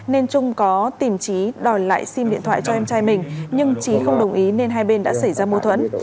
nên trung có tìm trí đòi lại sim điện thoại cho em trai mình nhưng trí không đồng ý nên hai bên đã xảy ra mâu thuẫn